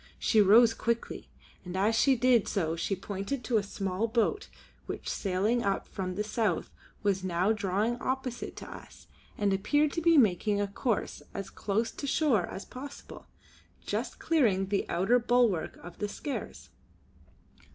She rose quickly, and as she did so pointed to a small boat which sailing up from the south was now drawing opposite to us and appeared to be making a course as close to shore as possible, just clearing the outer bulwark of the Skares.